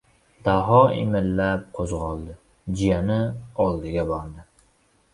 Daho imillab qo‘zg‘oldi. Jiyani oldiga bordi.